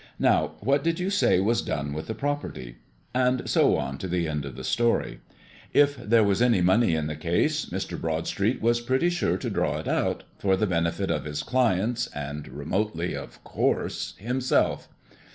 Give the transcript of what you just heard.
Now, what did you say was done with the property?" and so on to the end of the story. If there was any money in the case, Mr. Broadstreet was pretty sure to draw it out, for the benefit of his clients, and, remotely of course, himself.